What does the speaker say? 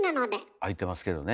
あいてますけどね。